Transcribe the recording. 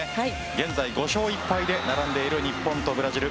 現在、５勝１敗で並んでいる日本とブラジル。